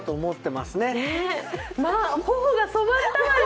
まあ、頬が染まったわよ。